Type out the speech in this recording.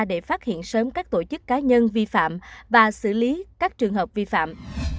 để phát hiện sớm các tổ chức cá nhân vi phạm và xử lý các trường hợp vi phạm